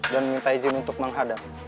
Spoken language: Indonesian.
dan minta izin untuk menghadap